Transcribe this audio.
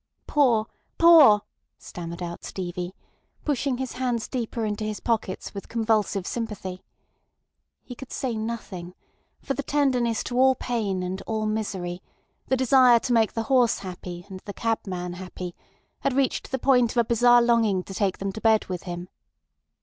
"Poor! Poor!" stammered out Stevie, pushing his hands deeper into his pockets with convulsive sympathy. He could say nothing; for the tenderness to all pain and all misery, the desire to make the horse happy and the cabman happy, had reached the point of a bizarre longing to take them to bed with him.